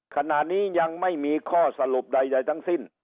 ขณะนี้ยังไม่มีข้อสรุปใดทั้งสิ้น